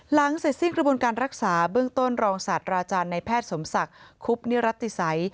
หลังเสร็จสิ้นกระบวนการรักษาเบื้องต้นรองศาสตราจารย์ในแพทย์สมศักดิ์คุบนิรัติศัย